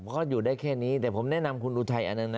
เขาอยู่ได้แค่นี้แต่ผมแนะนำคุณอุทัยอันนั้นนะ